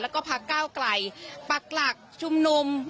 แล้วก็พักเก้าไกลปักหลักชุมนุม